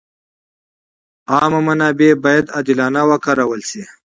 عامه منابع باید عادلانه وکارول شي.